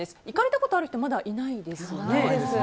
行かれたことある人まだいないですよね。